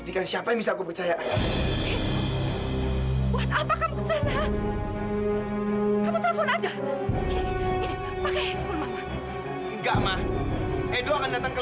dengar mama edo batalkan pernikahan ini